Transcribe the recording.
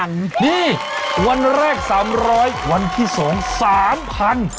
นี่วันแรก๓๐๐วันที่๒๓๐๐บาท